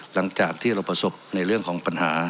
หลังจากที่เราประสบในเรื่องของปัญหา